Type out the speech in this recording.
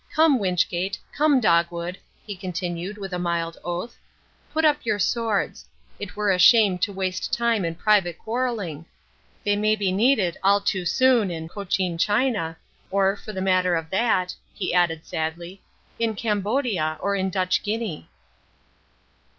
Come, Wynchgate, come, Dogwood," he continued, with a mild oath, "put up your swords. It were a shame to waste time in private quarrelling. They may be needed all too soon in Cochin China, or, for the matter of that," he added sadly, "in Cambodia or in Dutch Guinea."